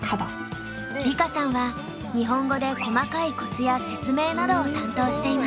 梨花さんは日本語で細かいコツや説明などを担当しています。